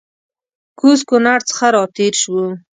کوز کونړ څخه راتېر سوو